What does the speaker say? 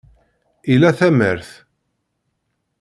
Ila tamart.